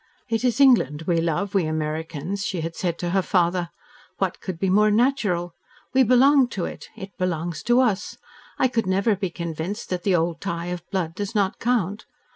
"It is England we love, we Americans," she had said to her father. "What could be more natural? We belong to it it belongs to us. I could never be convinced that the old tie of blood does not count.